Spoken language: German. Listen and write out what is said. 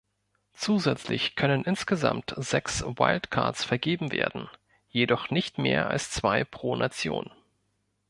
Zusätzlich können insgesamt sechs Wildcards vergeben werden, jedoch nicht mehr als zwei pro Nation.